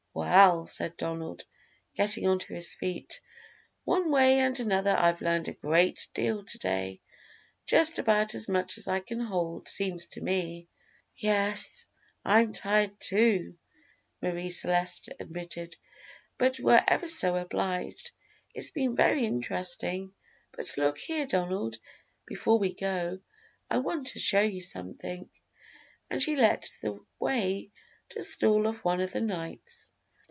"Well," said Donald, getting onto his feet, "one way and another I've learned a great deal to day just about as much as I can hold, seems to me." "Yes, I'm tired, too," Marie Celeste admitted; "but we're ever so much obliged, it's been very interesting; but look here, Donald, before we go, I want to show you something," and she led the way to a stall of one of the knights.